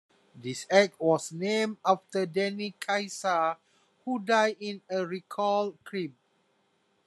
This act was named after Danny Keysar, who died in a recalled crib.